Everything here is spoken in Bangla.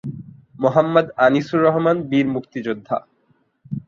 মোহাম্মদআনিছুর রহমান, বীর মুক্তিযোদ্ধা।